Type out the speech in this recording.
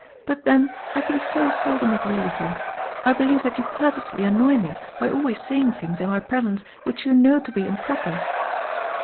^' But, then, I can so seldom agree with you. I belieye that you purposely annoy me by always saying things in my presence which you know to be improper."